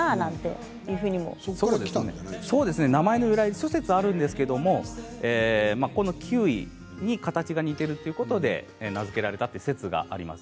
諸説あるんですけどキーウィに形が似ているということで名付けられたという説があります。